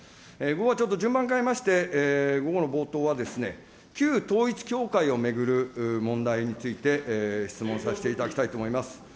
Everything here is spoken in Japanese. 午後はちょっと順番変えまして、午後の冒頭はですね、旧統一教会を巡る問題について質問させていただきたいと思います。